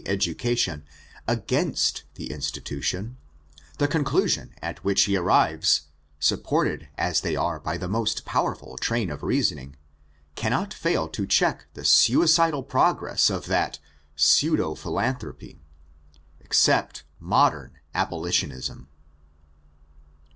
IX education, against the institution, the conclusion at which he arrives, supported as they are by the most powerful train of reasoning, cannot fail to check the suicidal progress of that pseud(» philanthropy, yclept "modem abolitionism."